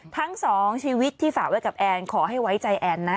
ทั้งสองชีวิตที่ฝากไว้กับแอนขอให้ไว้ใจแอนนะ